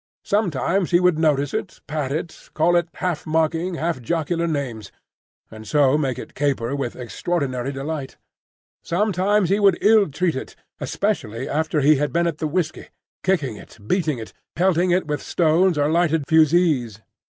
Sometimes he would notice it, pat it, call it half mocking, half jocular names, and so make it caper with extraordinary delight; sometimes he would ill treat it, especially after he had been at the whiskey, kicking it, beating it, pelting it with stones or lighted fusees.